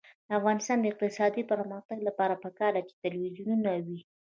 د افغانستان د اقتصادي پرمختګ لپاره پکار ده چې تلویزیون وي.